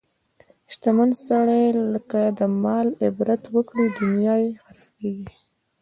شتمن سړی که د مال عبادت وکړي، دنیا یې خرابېږي.